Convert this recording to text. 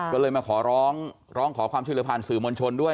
ก็เลยมาขอร้องร้องขอความช่วยเหลือผ่านสื่อมวลชนด้วย